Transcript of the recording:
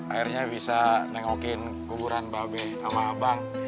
akhirnya bisa nengokin kuburan mbak ben sama abang